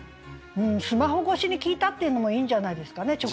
「スマホ越しに聴いた」っていうのもいいんじゃないですかね。